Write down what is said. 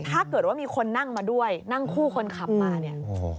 ถ้าเกิดว่ามีคนนั่งมาด้วยนั่งคู่คนขับมาเนี่ยโอ้โห